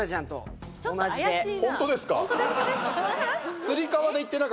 本当ですか？